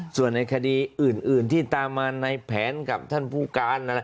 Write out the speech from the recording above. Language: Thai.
ส่วนในคดีอื่นที่ตามมาในแผนกับท่านผู้การ